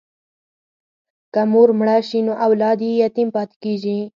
که مور مړه شي نو اولاد یې یتیم پاتې کېږي.